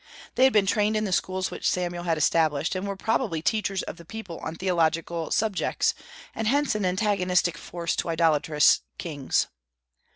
They had been trained in the schools which Samuel had established, and were probably teachers of the people on theological subjects, and hence an antagonistic force to idolatrous kings.